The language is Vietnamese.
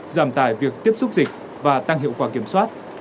giảm tải việc tiếp xúc dịch và tăng hiệu quả kiểm soát